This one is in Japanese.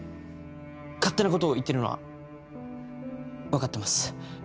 勝手なことを言ってるのは分かってます。